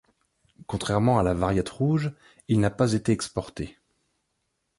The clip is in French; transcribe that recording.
Contrairement à la variate rouge, il n'a pas été exporté.